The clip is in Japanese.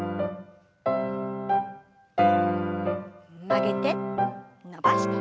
曲げて伸ばして。